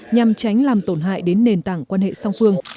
nhằm tránh làm tổn hại đến nền tảng quan hệ song phương